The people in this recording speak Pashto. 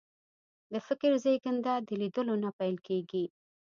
د فکر زېږنده د لیدلو نه پیل کېږي